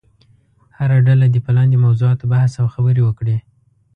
هره ډله دې په لاندې موضوعاتو بحث او خبرې وکړي.